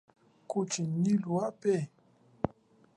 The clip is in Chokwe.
Kuchi, nuli ape?